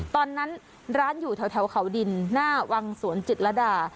ตอนนั้นร้านอยู่แถวเขาดินหน้าวังสวนจิตรดา